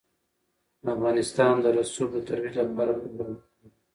افغانستان د رسوب د ترویج لپاره پروګرامونه لري.